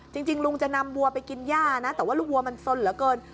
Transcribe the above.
จริงลุงจะนำวัวไปกินย่านะแต่ว่าลูกวัวมันสนเหลือเกิน